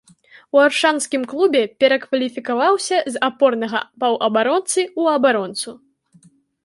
У аршанскім клубе перакваліфікаваўся з апорнага паўабаронцы ў абаронцу.